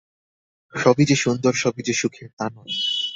সবই যে সুন্দর, সবই যে সুখের তা নয়।